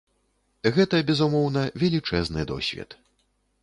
Гэта, безумоўна, велічэзны досвед.